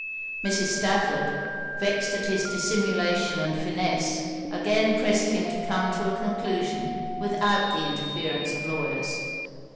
Mrs. Stafford, vexed at his dissimulation and finesse, again pressed him to come to a conclusion without the interference of lawyers.